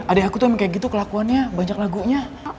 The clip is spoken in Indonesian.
adek aku tuh emang kayak gitu kelakuannya banyak lagunya